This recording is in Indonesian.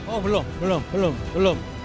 oh belum belum belum